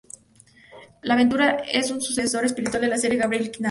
La aventura es el sucesor espiritual de las series Gabriel Knight.